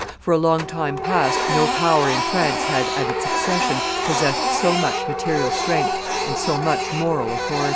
For a long time past no power in France had, at its accession, possessed so much material strength and so much moral authority.